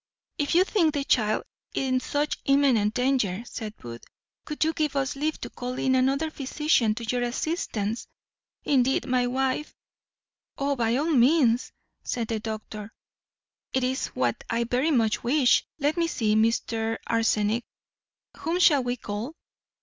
"If you think the child in such imminent danger," said Booth, "would you give us leave to call in another physician to your assistance indeed my wife" "Oh, by all means," said the doctor, "it is what I very much wish. Let me see, Mr. Arsenic, whom shall we call?"